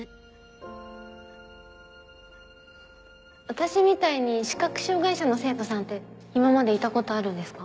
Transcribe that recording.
私みたいに視覚障がい者の生徒さんって今までいたことあるんですか？